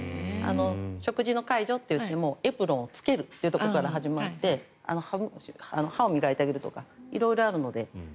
食事の介助といってもエプロンをつけるというところから始まって歯を磨いてあげるとか色々あるので。